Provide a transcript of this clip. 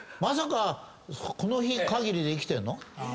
まさかこの日かぎりで生きてるの？